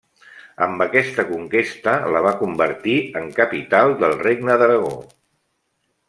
Amb aquesta conquesta la va convertir en capital del Regne d'Aragó.